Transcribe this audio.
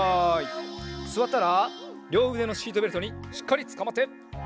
すわったらりょううでのシートベルトにしっかりつかまって。